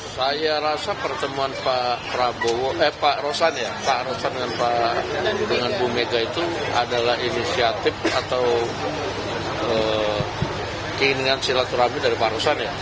saya rasa pertemuan pak rosan dengan pak bumega itu adalah inisiatif atau keinginan silaturahmi dari pak rosan